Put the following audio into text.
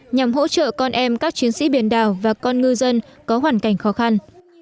nhằm hỗ trợ con em các chiến sĩ biển đảo và con ngư dân có hoàn cảnh khó khăn